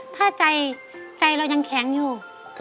ถ้าใจเรายังแข็งอยู่